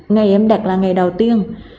ngày em đặt là ngày đầu tiên